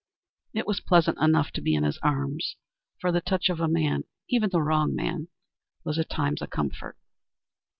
It was pleasant enough to be in his arms, for the touch of man even the wrong man was, at times, a comfort.